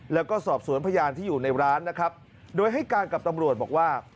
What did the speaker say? แล้วก็สอบสวนพยานที่อยู่ในร้านนะครับโดยให้การกับตำรวจบอกว่า